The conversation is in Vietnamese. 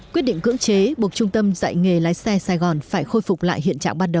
quyết định cưỡng chế buộc trung tâm dạy nghề lái xe sài gòn phải khôi phục lại hiện trạng ban đầu